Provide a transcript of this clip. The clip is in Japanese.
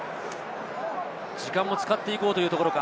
時間も使っていこうというところか。